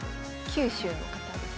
九州の方ですね。